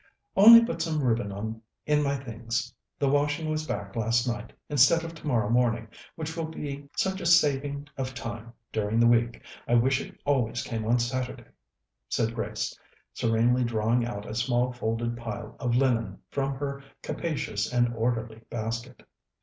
"Only put some ribbon in my things. The washing was back last night, instead of tomorrow morning, which will be such a saving of time during the week. I wish it always came on Saturday," said Grace, serenely drawing out a small folded pile of linen from her capacious and orderly basket.